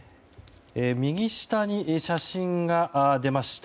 右下に写真が出ました。